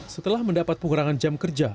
setelah mendapat pengurangan jam kerja